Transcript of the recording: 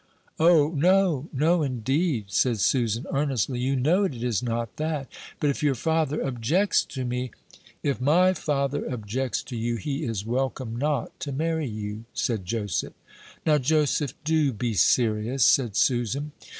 "O, no no, indeed," said Susan, earnestly; "you know it is not that; but if your father objects to me " "If my father objects to you, he is welcome not to marry you," said Joseph. "Now, Joseph, do be serious," said Susan.